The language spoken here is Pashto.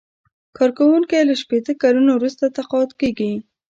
کارکوونکی له شپیته کلونو وروسته تقاعد کیږي.